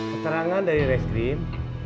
keterangan dari reskrim